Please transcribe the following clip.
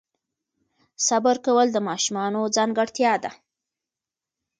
صبر کول د ماشومانو ځانګړتیا ده.